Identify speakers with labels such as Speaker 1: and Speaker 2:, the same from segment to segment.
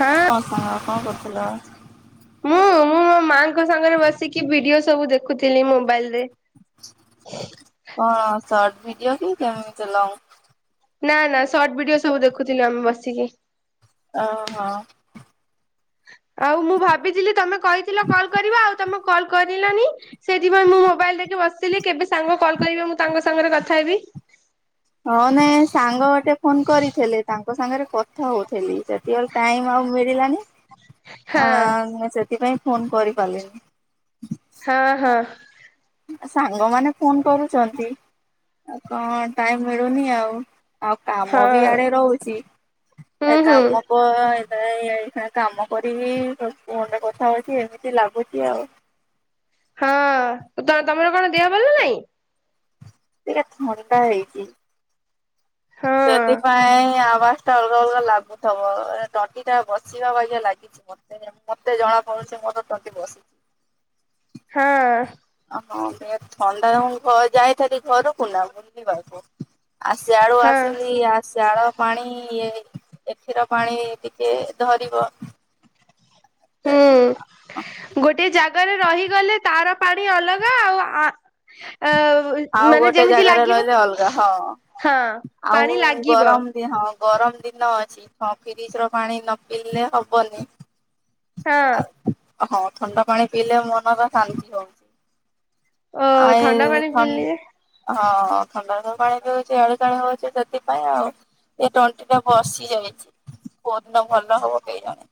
Speaker 1: ହଁ
Speaker 2: କଣ ସାଙ୍ଗ କଣ କରଥିଲ?
Speaker 1: ମୁଁ ମୁଁ ମୋ ମାଙ୍କ ସାଙ୍ଗରେ ବସିକି ଭିଡିଓ ସବୁ ଦେଖୁଥିଲି ମୋବାଇଲରେ। ହେ
Speaker 2: କଣ ସଟ ଭିଡିଓ କି କେମିତି ଲଙ୍ଗ?
Speaker 1: ନା ନା ସର୍ଟ ଭିଡିଓ ସବୁ ଦେଖୁଥିଲୁ ଆମେ ବସିକି।
Speaker 2: ଓହୋ।
Speaker 1: ଆଉ ମୁଁ ଭାବିଥିଲି ତମେ କହିଥିଲ କଲ କରିବ ଆଉ ତମକୁ କଲ କରିଲନି? ସେଇଥିପାଇଁ ମୁଁ ମୋବାଇଲ ନେଇକି ବସିଥିଲି କେବେ ସାଙ୍ଗ କଲ କରିବେ ମୁଁ ତାଙ୍କ ସାଙ୍ଗରେ କଥାହେବି।
Speaker 2: ହଁ ନାଇଁ ସାଙ୍ଗ ଗୋଟେ ଫୋନ କରିଥିଲେ ତାଙ୍କ ସାଙ୍ଗରେ କଥା କଥା ହଉଥିଲି ସେତିବେଳେ ଟାଇମ ଆଉ ମିଳିଲାନି।
Speaker 1: ହଁ
Speaker 2: ସେଥିପାଇଁ ଫୋନ୍ କରିପାରିଲନି।
Speaker 1: ହଁ ହଁ।
Speaker 2: ସାଙ୍ଗମାନେ ଫୋନ କରୁଛନ୍ତି ଆଉ କଣ ଟାଇମ ମିଳୁନି ଆଉ। ଆଉ
Speaker 1: ହଁ
Speaker 2: କାମ ବି ଆଡେ ରହୁଛି
Speaker 1: ହୁଁ ହୁଁ।
Speaker 2: କାମ। ପୁ ଏ କାମ କରିବି, ଫୋନରେ କଥା ହଉଛି ଏମିତି ଲାଗୁଛି ଆଉ।
Speaker 1: ହଁ, ତମର କଣ ଦେହ ଭଲ ନାଇଁ?
Speaker 2: ଟେ ଥଣ୍ଡା ହେଇଛିି।
Speaker 1: ହଁ
Speaker 2: ସେଥିପାଇଁ ଆବାଜ ଅଲଗା ଅଲଗା ଲାଗୁଥିବ ତଣ୍ଟିଟା ବସିବା ବାଗିଆ ଲାଗିଥିବ। ମତେ ଜଣାପଡୁଛି ମତେ ମୋର ତଣ୍ଟି ବସିଛି।
Speaker 1: ହଁ।
Speaker 2: ହଁ ଥଣ୍ଡା [unintelligible] ଯାଇଥାି ଘରକୁ ନା ବୁଲିବାକୁ ଆସ ଆଡୁ [unintelligible]
Speaker 1: ହଁ
Speaker 2: ସିଲିଆ ଶାଳ ପାଣି ଏ କ୍ଷୀର ପାଣି ଟିକେ ଧରିବ।
Speaker 1: ହୁଁ ଗୋଟେ ଜା ଗାରେ ରହିଗଲେ ତାର ପାଣି ଅଲଗା ଆଉ ଆ ଅ
Speaker 2: ଆଉ
Speaker 1: ମାନେ
Speaker 2: ଗୋଟେ
Speaker 1: ଯେମିତି
Speaker 2: ଜାଗାରେ
Speaker 1: ଲାଗିବ
Speaker 2: ରହିଲେ ଅଲଗା ହଁ।
Speaker 1: ହଁ ପାଣି
Speaker 2: ଆଉ
Speaker 1: ଲାଗିବ
Speaker 2: ଗରମ ହଁ ଗରମ ଦିନ ଅଛି ହଁ ଫ୍ରିଜର ପାଣି ନ ପିଇଲେ ହବନି।
Speaker 1: ହଁ।
Speaker 2: ଆଉ ହଁ ଥଣ୍ଡା ପାଣି ପିଇଲେ ମନର ଶାନ୍ତି ହଉନି।
Speaker 1: ଓ ଥଣ୍ଡା
Speaker 2: ଆଉ
Speaker 1: ପାଣି
Speaker 2: ଥନଡ୍
Speaker 1: ପିଇଲେ
Speaker 2: [unintelligible] ହଁ ଥଣ୍ଡା ତ ପାଣି ପିଉଛି ଏଣୁ ତେଣୁ ହଉଛି ସେଥିପାଇଁ ଆଉ। ଏ ଟଣ୍ଟି ଟା ବସି ଯାଇଛି, କୋଉ ଦିନ ଭଲ ହବ କେଜାଣି।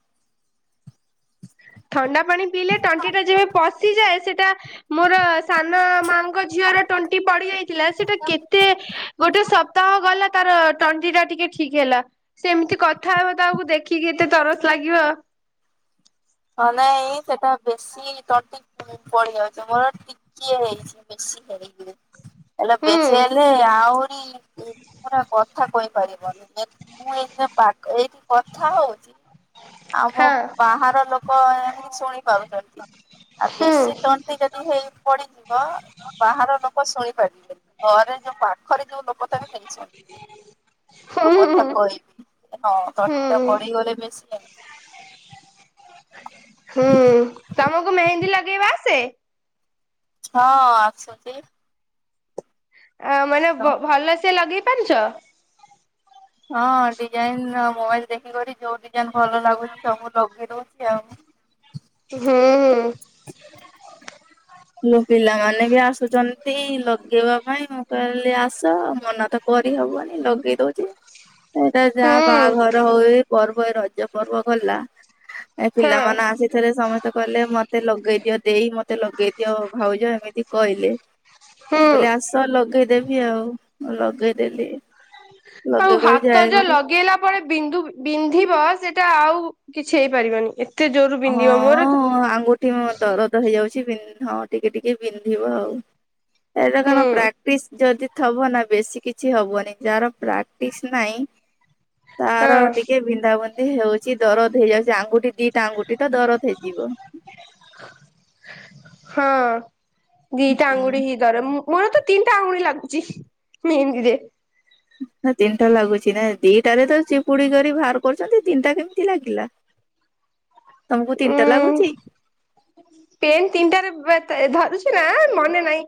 Speaker 1: ଥଣ୍ଡା ପାଣି ପିଇଲେ ତଣ୍ଟି ଟା ଯେବେ ପଶିଯାଏ ସେଟା ମୋର ସାନ ମାଆଙ୍କ ଝିଅର ଟଣ୍ଟି ପଡିଯାଇ ଥିଲା ସେଟା କେତେ ଗୋଟେ ସପ୍ତାହ ଗଲା ତାର ତଣ୍ଟି ଟା ଟିକେ ଠିକ ହେଲା। ସେ ଏମିତି କଥା ହେବ ତାକୁ ଦେଖିକି ଏତେ ତରସ ଲାଗିବ।
Speaker 2: ହଁ ନାଇଁ ଏଇ ସେଟା ଏବେ ବେଶ [inaudible] ତିକ ପଡି ଯାଉଛି ମୋର ଟିକିଏ ହେଇଛି ବେଶୀ ହେଇ ହେଲେ
Speaker 1: ହୁଁ।
Speaker 2: ବେଶୀ ହେଲେ ଆହୁରି ଏ ପୁରା କଥା କହିପାରିବନି ମୁଁ ଏଇ ଏଇଠି କଥା ହଉଛି। ଆମ
Speaker 1: ହଁ
Speaker 2: ବାହାର ଲୋକ ଏମିତି ଶୁଣିପାରୁଛନ୍ତି, ଆଉ
Speaker 1: ହୁଁ
Speaker 2: ବେଶୀ ଟ ଯଦି ହେଇ ପଡିଯିବ ବାହାର ଲୋକ ଶୁଣି ପାରିବେ ଘରେ ଯୋଉ ପାଖରେ ଯୋଉ ଲୋକ ଥିବେ କିଛି ଯୋଉ
Speaker 1: ହୁଁ
Speaker 2: କଥା
Speaker 1: ହୁଁ
Speaker 2: କହିବି ହଁ ତଣ୍ଟି ଟା
Speaker 1: ହୁଁ।
Speaker 2: ପଡିଗଲେ ବେଶୀ ଏମିତି
Speaker 1: ହୁଁ ତମକୁ ମେହେନ୍ଦୀ ଲଗେଇବା ଆସେ?
Speaker 2: ହଁ ଆସୁଚି।
Speaker 1: ଆ ମାନେ ବ-ବ ଭଲ ସେ ଲଗେଇ ପାରୁଛ?
Speaker 2: ହଁ ଡିଜାଇନ ମୋବାଇଲ ଦେଖିକରି ଯୋଉ ଡିଜାଇନ ଭଲ ଲାଗୁଛି ସବୁ ଲଗେଇ ଦଉଛି ଆଉ।
Speaker 1: ହୁଁ ହୁଁ।
Speaker 2: ମୋ ପିଲାମାନେ ବି ଆସୁଛ ସେଇ ଲଗେଇବା ପାଇଁ ମୁଁ କହିଲି ଆସ ମନା ତ କରିହବନି ଲଗେଇ ଦଉଛି।
Speaker 1: [unintelligible]
Speaker 2: ଏଇଟା ଯାହା
Speaker 1: ହୁଁ
Speaker 2: ବାହାଘର ହୁଏ ପର୍ବ ଏ ରଜ ପର୍ବ ଗଲା। ଏ
Speaker 1: ହଁ
Speaker 2: ପିଲାମାନେ ଆସିଥିଲେ ସମସ୍ତେ କହିଲେ ମତେ ଲଗେଇଦିଅ ଦେଇ ମତେ ଲଗେ ଭାଉଜ ଏମିତି କହିଲେ ମୁଁ
Speaker 1: ହୁଁ।
Speaker 2: କହିଲି ଆସ ଲଗେଇଦେବି ଆଉ। ମୁଁ ଲଗେଇଦେଲି।
Speaker 1: ଆଉ
Speaker 2: ଲଗେଇ କରି
Speaker 1: ହାତ
Speaker 2: ଯାଏ
Speaker 1: ଯୋଉ
Speaker 2: ଘରେ
Speaker 1: ଲଗେଇଲା ବେଳେ ବିନ୍ଧୁ ବିନ୍ଧିବ ସେଇଟା ଆଉ କିଛି ହେଇପାରିବନି। ଜୋରୁ ବିନ୍ଧିବ ମୋର ତ
Speaker 2: ହଁ ଆଙ୍ଗୁଠି ମୋ ଦର ଦ ହେଇଯାଉଛି ବିନ୍ ହଁ ଟିକେ ଟିକେ ବିନ୍ଧିବ ଆଉ। ଏଟା କଣ
Speaker 1: ହୁଁ
Speaker 2: ପ୍ରାକ୍ଟିସ୍ ଯଦି ଥବ ନା ବେଶୀ କିଛି ହବନି ଯାହାର ପ୍ରାକ୍ଟିସ ନାହିଁ ତାର
Speaker 1: ହଁ
Speaker 2: ଟିକେ ବିନ୍ଧାବିନ୍ଧି ହଉଚି ଦରଦ ହେଇଯାଉଛି ଆଙ୍ଗୁଠି ଦିଟା ଆଙ୍ଗୁଠି। ତ ଦରଦ ହେଇଯିବ।
Speaker 1: ହଁ ଦିଇଟା
Speaker 2: ହୁଁ
Speaker 1: ଆଙ୍ଗୁଠି ହିଁ। ମୋର ତ ତିନିଟା ଆଙ୍ଗୁଳି ଲାଗୁଛି ମେହେନ୍ଦୀରେ।
Speaker 2: ନା ତିନିଟା ଲାଗୁଛି ନା ଦିଟାରେ ତ ଚିପୁଡି କରି ବାହାର କରୁଛନ୍ତି। ତିନିଟା କେମିତି ଲାଗିଲା?
Speaker 1: [unintelligible]
Speaker 2: ତମକୁ ତିନିଟା
Speaker 1: ଉଁ
Speaker 2: ଲାଗୁଛି?
Speaker 1: ପେନ୍ ତିନିଟାରେ ବାତ୍ ଧରୁଛି ନା ମନେ ନାଇଁ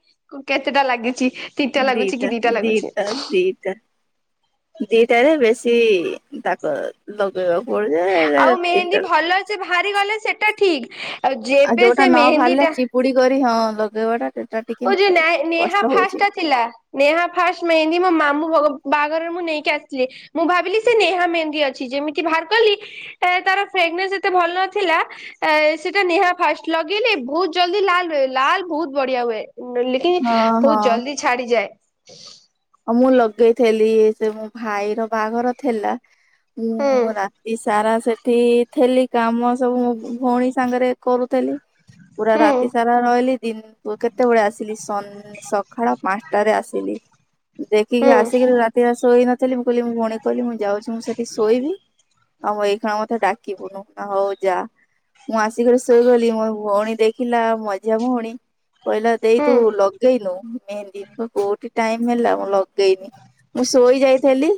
Speaker 1: କେତେଟା ଲାଗିଛି। ତିନିଟା ଲାଗୁଛି କି
Speaker 2: ଦିଟା
Speaker 1: ଲାଗୁଛି
Speaker 2: ଦିଟା ଦିଟା। ଦିଟାରେ ବେଶୀ ଦାଗ ଲଗେଇବାକୁ ପଡିବ ହେଲେ
Speaker 1: ଆଉ ମେହେନ୍ଦୀ
Speaker 2: ତିନିଟା
Speaker 1: ଭଲ ସେ ଭାଆରି ଗଲେ ସେଟା ଠିକ ଆଉ ଯେବେ ସେ ମେହେନ୍ଦୀ ଟା
Speaker 2: ପୁଡି କରି ହଁ ଲଗେଇବା ଟା ସେଟା ଟିକେ
Speaker 1: ଓ ଯୋଉ ନା ନେହା
Speaker 2: କଷ୍ଟ ହଉଛି
Speaker 1: ଫାଷ୍ଟ ଟା ଥିଲା। ନେହା ଫାଷ୍ଟ ମେହେନଦି ମୋ ମାମୁ ବାହାଘରରେ ମୁଁ ନେଇକି ଆସିଥିଲି। ମୁଁ ଭାବିଲି ସେ ନେହା ମେହନ୍ଦି ଅଛି। ଯେମିତି ଭାର କଲି ତାର ଫ୍ରେଗନେନ୍ସ ଏତେ ଭଲ ଥିଲା। ଏ ସେଇଟା ନେହା ଫାଷ୍ଟ ଲଗେଇଲେ ବହୁତ ଜଲ୍ଦି ଲାଲ ହୁଏ ଲାଲ ବହୁତ ବଢିଆ ହୁଏ। ନେଲେକି
Speaker 2: ହଁ
Speaker 1: ବହୁତ
Speaker 2: ହଁ।
Speaker 1: ଜଲଦି ଛାଡିଯାଏ।
Speaker 2: ଆଉ ମୁଁ ଲଗେଇଥିଲି ସେ ମୋ ଭାଇର ବାହାଘର ଥିଲା।
Speaker 1: ହୁଁ
Speaker 2: ମୁଁ ରା ତି ସାରା ସେଠି ଥିଲି କାମ ସବୁ ଭଉଣୀ ସାଙ୍ଗରେ କରୁଥିଲି। ପୁରା
Speaker 1: ହୁଁ
Speaker 2: ରାତି ସାରା ରହିଲି ଦିନ କେତେବେଳେ ଆସିଲି ସନ ସକାଳ ପାଞ୍ଚଟାରେ ଆସିଲି। ଦେଖିକି
Speaker 1: ହୁଁ
Speaker 2: ଆସିକିରି ରାତିଟା ଶୋଇ ନଥିଲି। ମୁଁ କହିଲି ମୁଁ ଭଉଣୀ କହିଲି ମୁଁ ଯାଉଛି ମୁଁ ସେଠି ଶୋଇବି। ଆଉ ଏଇ ଖିଣା ମତେ ଡାକିବୁନୁ ହଉ ଯା। ମୁଁ ଆସିକିରି ଶୋଇଗଲି ମୋ ଭଉଣୀ ଦେଖିଲା ମଝିଆଁ ଭଉଣୀ। କହିଲା ଦେଇ
Speaker 1: ହୁଁ।
Speaker 2: ତୁ ଲଗେଇନୁ ମେହେନଦି କୋଉଠି ଟାଇମ ହେଲା ମ ଲଗେଇନି ମୁଁ ଶୋଇ ଯାଇଥିଲି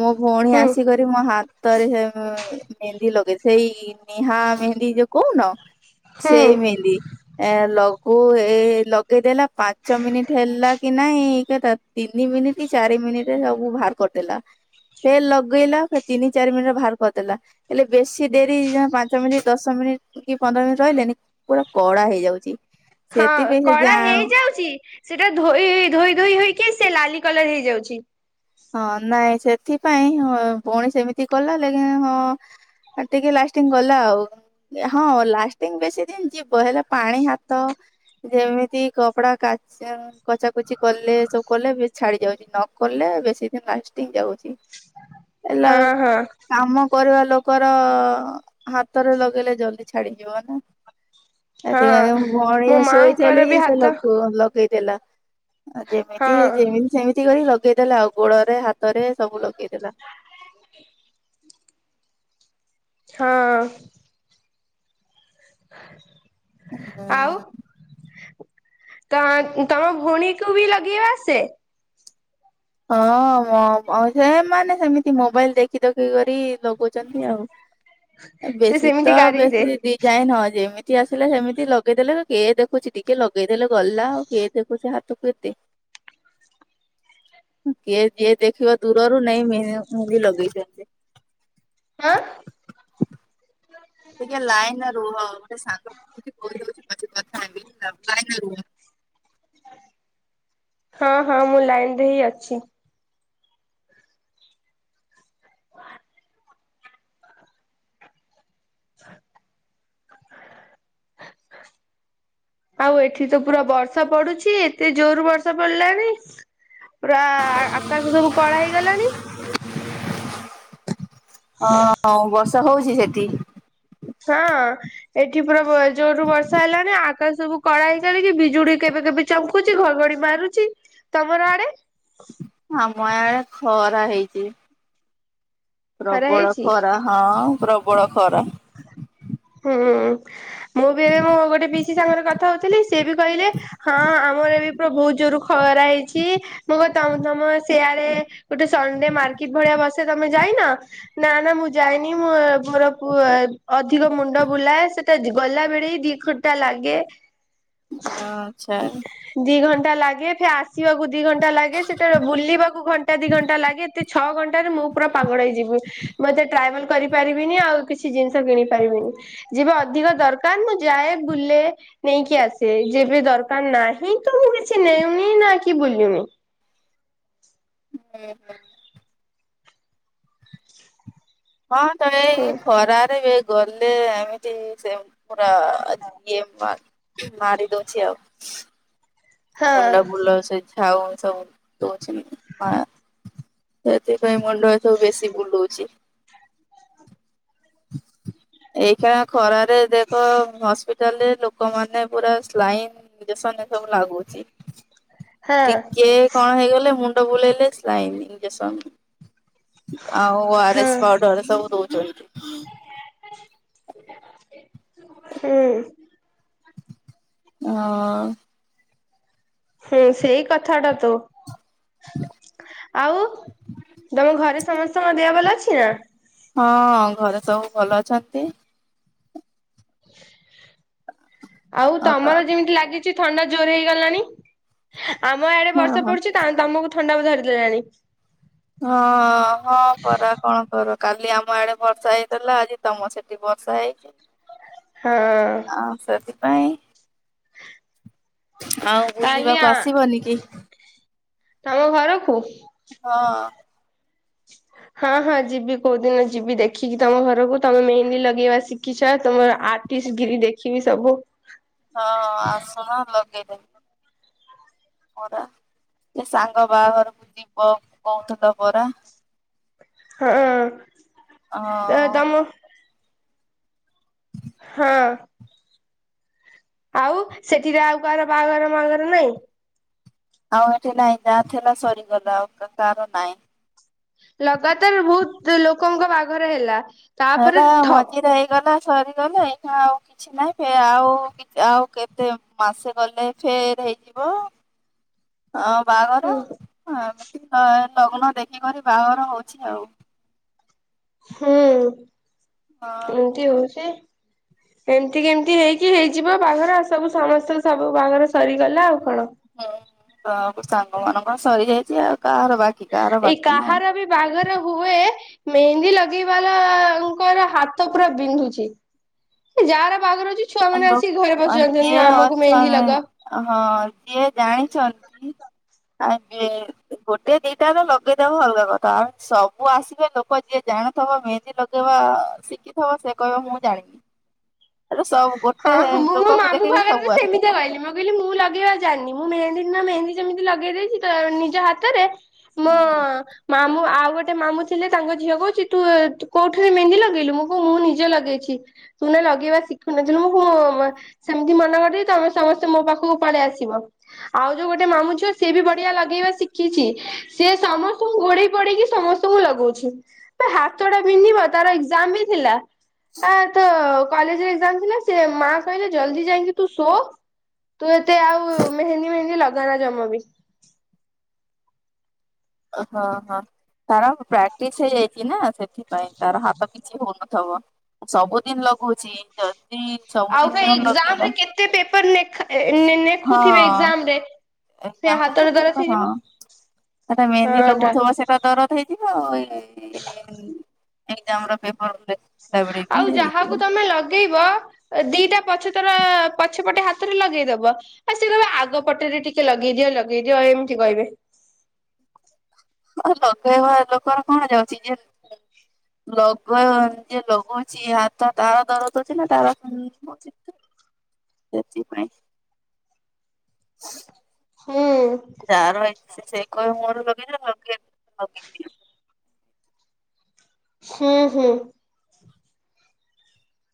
Speaker 2: ମୋ ଭଉଣୀ
Speaker 1: ହୁଁ
Speaker 2: ଆସି କରି ମୋ ହାତରେ ସେ ମେହେନ୍ଦି ଲଗେଇ ସେଇ ନେହା ମେହେନ୍ଦୀ ଯୋଉ କହୁନ
Speaker 1: ହୁଁ
Speaker 2: ସେଇ ମେହେ ଦି ଏ ଲଗୁ ଏ ଲଗେଇଦେଲା ପାଞ୍ଚ ମିନିଟ୍ ହେଲା କି ନାଇଁ ଏ କା ତିନି ମିନିଟ ଚାରି ମିନିଟରେ ସବୁ ବାହାର କରିଦେଲା। ଫେର ଲଗେଇଲା ଫେର ତିନି ଚାରି ମିନିଟ ଭାଆର କରିଦେଲା। ହେଲେ ବେଶୀ ଡେରି ଯମା ପାଞ୍ଚ ମିନିଟ୍ ଦଶ ମିନିଟ୍ କି ପନ୍ଦର ମିନିଟ ରହିଲେନି। ପୁରା କଳା ହେଇଯାଉଚି।
Speaker 1: ହଁ କଳା ହେଇଯାଉଚି। ସେଇଟା ଧୋଇ ହେଇ ହେଇ ଧୋଇ ଧୋଇ ହୋଇକି ସେ ଲାଲି କଲର ହେଇଯାଉଛି।
Speaker 2: ହଁ ନାଇଁ ସେଥିପାଇଁ ହଁ ପୁଣି ସେମିତି କଲା ଦେଖିଲା ହଁ। ଆଉ ଟିକେ ଲାଷ୍ଟିଙ୍ଗ ଗଲା ଆଉ। ହଁ ଲାଷ୍ଟିଙ୍ଗ ବେଶୀ ଦିନ ଯିବ ହେଲେ ପାଣି ହାତ ଯେମିତି କପଡା କାଚନ। କଚା କଚି କଲେ ସବୁ କଲେ ବେଶି ଛାଡି ଯାଉଚି। ନକଲେ ବେଶି ସେଥିପାଇଁ ଲାଷ୍ଟିଙ୍ଗ ଯାଉଚି ଏଲା
Speaker 1: ହଁ ହଁ
Speaker 2: କାମ କରିବା ଲୋକର ହାତରେ ଲଗେଇଲେ ଜଲଦି ଛାଡିଯିବ ନା।
Speaker 1: ହ
Speaker 2: ସେଥିପାଇଁ ମୁଁ ଅଣୀ ଶୋଇଥିଲି
Speaker 1: ବି
Speaker 2: କି ସେ
Speaker 1: ହାତ
Speaker 2: ଲୋକ ଲଗେଇ ଦେଲା ଆଉ ଯେମିତି
Speaker 1: ହଁ
Speaker 2: ଯେମିତି ସେମିତି କରି ଲଗେଇଦେଲା ଆଉ। ଗୋଳରେ ହାତରେ ସବୁ ଲଗେଇଦେଲା।
Speaker 1: ହଁ। ଆଉ
Speaker 2: ହୁଁ।
Speaker 1: ତ ତମ ଭଉଣୀକୁୁ ବି ଲଗେଇବା ସେ।
Speaker 2: ହଁ ମ ମ ସେମାନେ ସେମିତି ମୋବାଇଲ ଦେଖି ଦେଖି କରି ଲଗଉଛନ୍ତି ଆଉ।
Speaker 1: ସେ
Speaker 2: ବେଶୀ ତ
Speaker 1: ସେମିତି ଗାରେଇ ଦେ
Speaker 2: ବେଶୀ ଦିଦି ଯାଇ ନ ଯେମିତି ଆସିଲା ସେମିତି ଲଗେଇଦେଲେ କିଏ ଦେଖୁଛି ଟିକେ ଲଗେଇଦେଲେ ଗଲା ଆଉ କିଏ ଦେଖୁଛି ହା ଥୁକୁଟି କିଏ ଯିଏ ଦେଖିବ ଦୂରରୁ ନାଇଁ ମ ମେହନ୍ଦି ଲଗେଇଛନ୍ତି।
Speaker 1: ଆଁ
Speaker 2: ଟିକେ ଲାଇନ ରୁହଉ ଗୋଟେ ସାଙ୍ଗକୁ କିଛି ଖୋଇଦୋଉଚି। ପଛେ କଥା ହେବି ଲାଇନ ରୁହ।
Speaker 1: ହଁ ହଁ ମୁଁ ଲାଇନ ରେ ହିଁ ଅଛି। ଆଉ ଏଠି ତ ପୁରା ବର୍ଷା ପଡୁଛି ଏତେ ଜୋର ବର୍ଷା ପଡିଲାଣି। ପୁରା ଆକାଶ ସବୁ କଳା ହେଇଗଲାଣି।
Speaker 2: ହଁ ବର୍ଷା ହଉଛି ସେଠି।
Speaker 1: ହଁ ଏଠି ପୁରା ଜୋରୁ ବର୍ଷା ହେଲାନି। ଆକାଶ ସବୁ କଳା ହେ କରିକି ବିଜୁଳି କେବେ କେବେ ଚଂକୁଚି ଘଘଡି ମାରୁଛି। ତମର ଆଡେ
Speaker 2: ଆମ ଏଡେ ଖରା ହେଇଛି।
Speaker 1: ଖରା
Speaker 2: ପ୍ରବଳ
Speaker 1: ହେଇଛି?
Speaker 2: ଖରା ହଁ ପ୍ରବଳ ଖରା।
Speaker 1: ହୁଁ ମୁଁ ବି ଏବେ ମୋ ଗୋଟେ ପିସି ସାଙ୍ଗରେ କଥା ହଉଥିଲି। ସିଏ ବି କହିଲେ ହଁ ଆମର ଏ ବି ପୁରା ବହୁତ ଜୋର। ଖରା ହେଇଛି ମୁଁ କ ତ ତମ ସେଆଡେ। ଗୋଟେ ସନ୍ଦ୍ ମାର୍କେଟ ଭଳିଆ ବସେ ତମେ ଯାଇନା ନା ନା ମୁଁ ଯାଇଏନି ମୁଁ ମୋର। [unintelligible] ଅଧିକ ମୁଣ୍ଡ ବୁଲାଏ ସେଟା ଗଲା ବେଳେ ହି ଦି ଖଟା ଲାଗେ।
Speaker 2: ଆଛା
Speaker 1: ଦି ଘଣ୍ଟା ଲାଗେ ଫ ଆସିବାକୁ ଦି ଘଣ୍ଟା ଲାଗେ ସେଟା ବୁଲିବାକୁ ଘଣ୍ଟା ଦି ଘଣ୍ଟା ଲାଗେ ଏତେ। ଛଅ ଘଣ୍ଟାରେ ମୁଁ ପୁରା ପାଗଡ଼ ହେଇଯିବି ମୁଁ ଏତେ ଟ୍ରାଭେଲ କରିପାରିବିନି ଆଉ। କିଛି ଜିନିଷ କିଣି ପାରିବିନି ଯିବା ଅଧିକ ଦରକାର ମୁଁ ଯାଏ ବୁଲେ ନେଇକି ଆସେ ଯେବେ ଦରକାର ନାହିଁ ତ ମୁଁ କିଛି ନେଉନି ନା କି ବୁଲନି
Speaker 2: ହୁଁ ହୁଁ ହଁ ତ
Speaker 1: ହୁଁ
Speaker 2: ଏଇ ଖରାରେ ଏ ଗଲେ ଏମିତି ସେ। ପୁରୁରା ଇଏ ମାରି ଦଉଛି ଆଉ।
Speaker 1: ହଁ
Speaker 2: ମୁଣ୍ଡା ବୁଲାଛ ଝାାଉ ସବୁଛି। ସେଥିପାଇଁ ମୁଣ୍ଡ ଏ ସବୁ ବେଶୀ ବୁଲଉଛି। ଏଇଖାନ ଖରାରେ ଦେଖ ହସ୍ପିଟାଲରେ ଲୋକମାନେ ପୁରା ସ୍ଲାଇନ। ନିଜ ସନ୍ଦେ ସବୁ ଲାଗୁଚଛି।
Speaker 1: ହଁ
Speaker 2: ଟିକେ କଣ ହେଇଗଲେ ମୁଣ୍ଡ ବୁଲେଇ ଲେ [inaudible] ଆଉ ଆର
Speaker 1: ହଁ
Speaker 2: ଏସ୍ ପାଡର ସବୁ ଦଉଛନ୍ତି।
Speaker 1: ହୁଁ
Speaker 2: ହଁ
Speaker 1: ହୁଁ ସେଇ କଥାଟା ତ। ଆଉ ତମ ଘରେ ସମସ୍ତଙ୍କ ଦେଆ ଭଲ ଅଛି ନା।
Speaker 2: ହଁ ଘରେ ସବୁ ଭଲ ଅଛନ୍ତି।
Speaker 1: ଆଉ ତମର ଯେମିତି ଲାଗିଛି। ଥଣ୍ଡା ଜୋର ହେଇଗଲାଣି। ଆମ ଆଡେ
Speaker 2: ହଁ
Speaker 1: ବର୍ଷା
Speaker 2: ହଁ
Speaker 1: ପଡୁଛି ତମକୁ ଥଣ୍ଡା ଧରିଦେଲାଣି।
Speaker 2: ହଁ ହଁ ପରା କ'ଣ କରିବି। କାଲି ଆମ ଆଡେ ବର୍ଷା ହେଇଥିଲା ଆଜି ତମ ସେଠି ବର୍ଷା ହେଇଛି।
Speaker 1: ହଁ
Speaker 2: ହଁ ସେଥିପାଇଁ ଆଉ
Speaker 1: କାଲି ଆ
Speaker 2: ବୁଲିବାକୁ ଆସିବନି କି?
Speaker 1: ତମ ଘରକୁ?
Speaker 2: ହଁ
Speaker 1: ହ ହଁ ହଁ ଯିବି କୋଉଦିନ ଯିବି ଦେଖିକି ତମ ଘରକୁ ତମେ ମେହେଲି ଲଗେଇବା। ଶିଖିଛ ତୁମର କିସ କିରୀ ଦେଖିବି ସବୁ।
Speaker 2: ହଁ ଆସୁନ ଲଗେଇଦେବି। ପରା ସେ ସାଙ୍ଗ ବାହାଘରକୁ ଯିବ କହୁଥିଲ ପରା।
Speaker 1: ହୁ
Speaker 2: ହୋଉ
Speaker 1: ହଁ ଆଉ ସେଥିରେ ଆଉ କାହାର ବାହାଘର ମାହାଘର ନହିଁ।
Speaker 2: ଆଉ ଏଠି ନାଇଁ ଯାଥିଲା ସରିଗଲା ଆଉ କାର ନାହିଁ।
Speaker 1: ଲଗାତାର ବହୁତ ଲୋକଙ୍କ ବାହାଘର ହେଲା। ତାପରେ
Speaker 2: ହେଇପା
Speaker 1: ଠପ୍
Speaker 2: ମଝିରେ ହେଇଗଲା ସରିଗଲା ଏଇନା ଆଉ କି କିଛି ନାଇଁ ଆଉ ଆଉ କେତେ ମାସେ ଗଲେ ଫେର ହେଇଯିବ। ହଁ ବାହାଘର
Speaker 1: ହୁଁ
Speaker 2: ହ ଏମିତି ଲଗ୍ନ ଦେଖିକରି ବାହାଘର ହଉଛି ଆଉ।
Speaker 1: ହୁଁ
Speaker 2: ହଁ।
Speaker 1: ଏମତି ହଉଚି। ଏମିତି କେମତି ହେଇକି ହେଇଯିବ ବାହାଘର ଆଉ ସବୁ ସମସ୍ତେ ସବୁ ବାହାଘର ସରିଗଲା ଆଉ କଣ।
Speaker 2: ହୁଁ ସବୁ ସାଙ୍ଗ ମାନଙ୍କର ସରିଯାଇଚି ଆଉ କାହାର ବାକି କାହାର
Speaker 1: ଏଇ
Speaker 2: ବାକି ନାହିଁ।
Speaker 1: କାହାର ବି ବାହାଘର ହୁଏ। ମେହେନ୍ଦି ଲଗେଇବାଲାଙ୍କର ହାତ ପୁରା ବିନ୍ଧୁଚି। ଯାହାର ବାହାଘର ହଉଚି ଛୁଆ ମାନେ
Speaker 2: ହ୍ୟାଲୋ
Speaker 1: ଆସିକି ଘରେ ପସି
Speaker 2: ଯିଏ
Speaker 1: ଯାଉଛନ୍ତି ଆମକୁ
Speaker 2: ଅଛ
Speaker 1: ମେହେନ୍ଦୀ ଲଗାଅ।
Speaker 2: ହଁ ଯିଏ ଜାଣିଛନ୍ତି ଆଉ କିଏ ଗୋଟେ ଦିଟା ତ ଲଗେଇଦବ ଅଲଗା କଥା ଆଉ ସବୁ ଆସିବେ ଲୋକ ଯିଏ ଜାଣିଥିବ ମେହେନ୍ଦୀ ଲଗେଇ ବା ଶିଖିଥିବ ସେ କହିବ ମୁଁ ଜାଣିନି।
Speaker 1: ହଁ
Speaker 2: ଗୋଟେ
Speaker 1: ମୁଁ ମୋ
Speaker 2: ଲୋକକୁ
Speaker 1: ମାମୁଁ
Speaker 2: ଦେଖିକରି
Speaker 1: ବାହାଘରରେ
Speaker 2: ସବୁ ଆସିବେ।
Speaker 1: ସେମିତିଆ କହିଲି ମୁଁ କହିଲି ମୁଁ ଲଗେଇବା ଜାଣିନି ମୁଁ ମେହେନ୍ଦୀ ନା ମେହେନ୍ଦୀ ଯେମିତି ଲଗେଇ ଦେଇଚି ନିଜ ହାତରେ ମ।
Speaker 2: ହୁଁ।
Speaker 1: ମାମୁଁ ଆଉ ଗୋଟେ ମାମୁଁ ଥିଲେ ତାଙ୍କ ଝିଅ କହୁଚି ତୁ କୋଉଠୁରେ ମେହେନ୍ଦି ଲଗେଇଲୁ ମୁଁ କହୁଚି ମୁଁ ନିଜେ ଲଗେଇଚି। ତୁନେ ଲଗେଇିବା ଶିକ୍। ଶୁଣିଥିଲୁ ସେମିତି ମନା କରିଦେଇଚି ତମେ ସମସ୍ତେ ମୋ ପାଖକୁ ପଳେଇ ଆସିବ। ଆଉ ଯୋଉ ଗୋଟେ ମାମୁଁ ଝିଅ ସିଏ ବି ବଢିଆ ଲଗେଇବା ଶିଖିଚି ସି ସମସ୍ତଙ୍କୁ ଗୋଡେଇ ପୋଡେଇକି ସମସ୍ତଙ୍କୁ ଙ୍କୁ ଲଗଉଛି ହାତଟା ବିନ୍ଧିବ ତାର ଏକ୍ଜାମ୍ ବି ଥିଲା। ଆ ତ କଲେଜରେ ଏକ୍ଜାମ ଥିଲା ସେ ମା କହିଲେ ଜଲଦି ଯାଇକି ତୁ ଶୋ। ତୁ ଏତେ ଆଉ ମେହେନ୍ଦୀ ମେହେନ୍ଦୀ ଲଗାନା ଜମା ବି।
Speaker 2: ହଁ ହଁ। ତାର ପ୍ରାକ୍ଟିସ ହେଇଯାଇଚି ନା ସେଥିପାଇଁ ତାର ହାତ କିଛି ହଉନଥିବ। ସବୁଦିନି ଲଗଉଚି। ଜଦି
Speaker 1: ଆଉ ଫେରେ
Speaker 2: ସବଦିନ
Speaker 1: ଏକ୍ଜାମ
Speaker 2: ଲଗେଇଲା
Speaker 1: ରେ କେତେ ପେପର ନେଖା ଏ ନେଖୁଥିବେ
Speaker 2: ହଁ।
Speaker 1: ଏକ୍ଜାମ ରେ। ସେ
Speaker 2: ଏକ୍ଜାମ ତ
Speaker 1: ହାତର ଦରଜ
Speaker 2: ପେପର
Speaker 1: ହେଇଯିବ
Speaker 2: ହଁ ସେଟା
Speaker 1: ହଁ
Speaker 2: ମେହେନ୍ଦି
Speaker 1: ଟା
Speaker 2: ଲଗଉଥିବ ସେ ଦରଦ ହେଇଯିବ ଆଉ ଏଇ ଏଜାମ ର ପେପର ବେଳେ ବି
Speaker 1: ଆଉ
Speaker 2: ହେଇଯିବ
Speaker 1: ଯାହାକୁ ତମେ ଲଗେ ଲଗେଇବ ଦିଟା ପଛ ତର ପଛପଟେ ହାତରେ ଲଗେଇଦବ। ଆଉ ସେ କହିବ ଆଗ ପଟରେ ଟିକେ ଲଗେଇଦିଅ ଲଗେଇଦିଅ ଏମିତି କହିବେ।
Speaker 2: ଆଉ ଲଗେଇବା ଲୋକର କଣ ଯାଉଚି ଯେ ଲଗ ଯିଏ ଲଗଉଛି ହାତ ତାର ଦରଦ ହଉଛି ନା ତାର [unintelligible] ସେଥିପାଇଁ। ହ
Speaker 1: ହୁଁ।
Speaker 2: [unintelligible]
Speaker 1: ହୁଁ ହୁଁ।